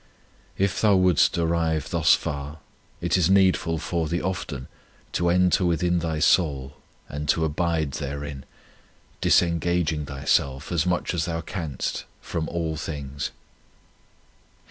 If thou wouldst arrive thus far, it is needful for thee often to enter within thy soul and to abide therein, disengaging thyself as much as thou canst from all things.